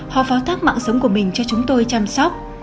họ phó thác mạng sống của mình cho chúng tôi chăm sóc